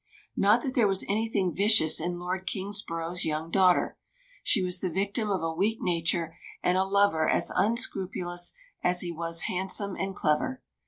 Not that there was anything vicious in Lord Kingsborough's young daughter. She was the victim of a weak nature and a lover as unscrupulous as he was handsome and clever.